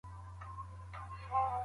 ټولنیز مهارتونه مو د ژوند برخه کړئ.